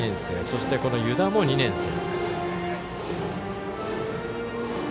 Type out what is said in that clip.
そして、この湯田も２年生。